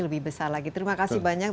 lebih besar lagi terima kasih banyak